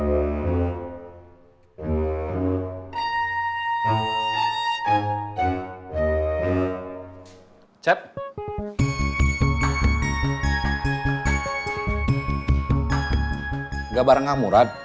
enggak bareng kamu rad